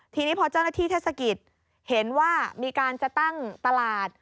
ทีนี้พอเจ้าหน้าที่เทศกิจเห็นว่ามีการจะตั้งตลาด